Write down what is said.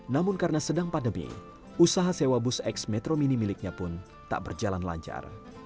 namun karena sedang pandemi usaha sewa bus x metro mini miliknya pun tak berjalan lancar